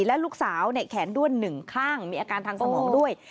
และลูกสาวเนี่ยแขนด้วนหนึ่งข้างมีอาการทางสมองด้วย